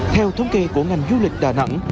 theo thống kê của ngành du lịch đà nẵng